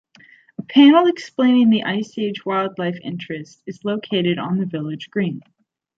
A panel explaining the Ice Age wildlife interest is located on the village green.